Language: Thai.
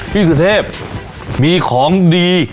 พี่สุเทพมีของดี